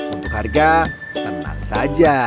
untuk harga tenang saja